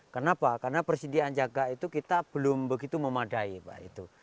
kenapa karena persediaan jaga itu kita belum begitu memadai pak itu